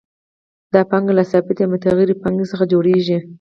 دا پانګه له ثابتې او متغیرې پانګې څخه جوړېږي